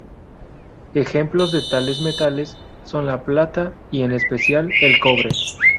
Ejemplos de tales metales son la plata y, en especial, el cobre.